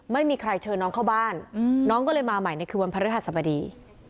ไม่มีใครเชิญน้องเข้าบ้านน้องก็เลยมาใหม่ในคืนวันพระฤหัสบดี